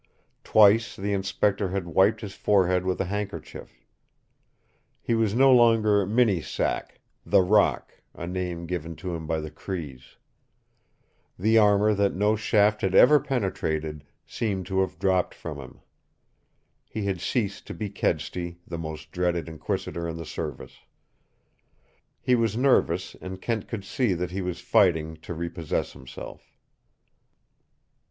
Twice the Inspector had wiped his forehead with a handkerchief. He was no longer Minisak "The Rock" a name given to him by the Crees. The armor that no shaft had ever penetrated seemed to have dropped from him. He had ceased to be Kedsty, the most dreaded inquisitor in the service. He was nervous, and Kent could see that he was fighting to repossess himself.